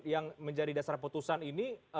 yang menjadi dasar putusan ini